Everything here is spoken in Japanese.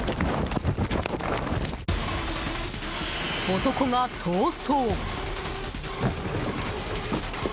男が逃走！